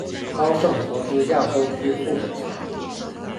高盛投资亚洲区副总裁。